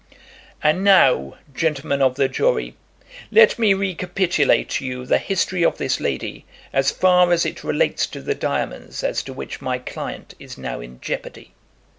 "And now, gentlemen of the jury, let me recapitulate to you the history of this lady as far as it relates to the diamonds as to which my client is now in jeopardy.